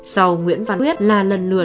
sau nguyễn văn quyết là lần lượt